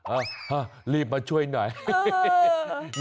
รีบมาช่วยหน่อย